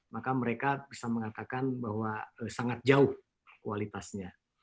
maka mereka bisa mengatakan bahwa sangat jauh kualitasnya